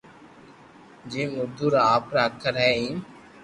جيم اردو را آپرا اکر ھي ايم